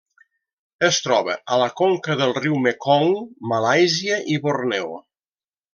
Es troba a la conca del riu Mekong, Malàisia i Borneo.